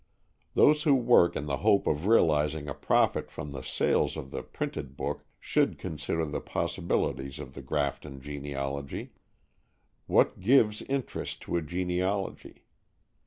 Those who work in the hope of realizing a profit from the sales of the printed book should consider the possibilities of the Grafton genealogy. What gives interest to a genealogy?